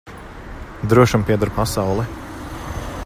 Drošam pieder pasaule.